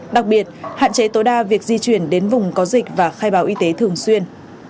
đặc biệt hạn chế tối đa việc di chuyển đến vùng có dịch và khai báo y tế thường xuyên